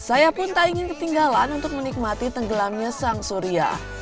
saya pun tak ingin ketinggalan untuk menikmati tenggelamnya sang surya